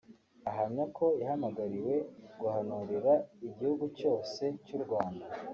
ahamya ko yahamagariwe guhanurira igihugu cyose cy’u Rwanda